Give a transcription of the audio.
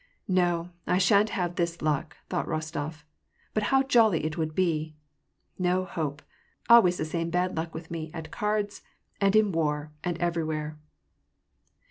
" No, I sha'n't have this luck," thought Rostof ." But how jolly it would be ! No hope ! always the same bad luck with me at cards, and in war, and everywhere."